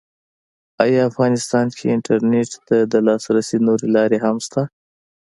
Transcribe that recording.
ایا افغانستان کې انټرنېټ ته د لاسرسي نورې لارې هم شته؟